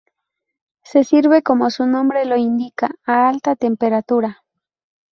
Se sirve, como su nombre lo indica, a alta temperatura.